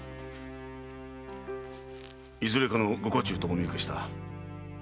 いずれかのご家中とお見受けした。